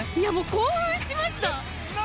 興奮しました。